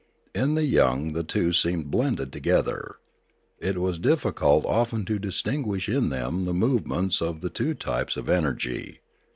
In the young the two seemed blended together; it was difficult often to distinguish in them the movements of the two types of energy.